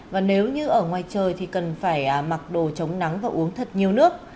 và nếu như ở ngoài trời thì cần phải mặc đồ chống nắng và uống thật nhiều nước